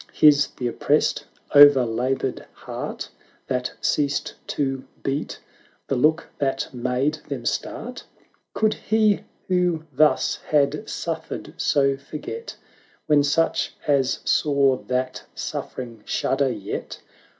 his the oppressed, o'er laboured heart That ceased to beat, the look that made them start? Could he who thus had suffered so for get, When such as saw that suffering shudder yet ?